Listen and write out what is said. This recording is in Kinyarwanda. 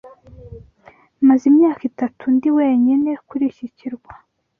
Maze imyaka itatu ndi wenyine kuri iki kirwa.